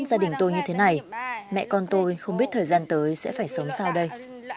gia đình tôi như thế này mẹ con tôi không biết thời gian tới sẽ phải sống sau đây